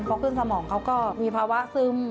พอขึ้นสมองเขาก็มีภาวะซึม